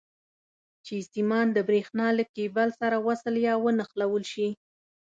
چې سیمان د برېښنا له کیبل سره وصل یا ونښلول شي.